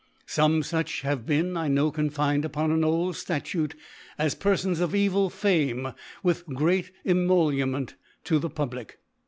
Some fuch have been, 1 know» confined upon an old Statute as Peribns of evil Fame, with great Emolument to the Public.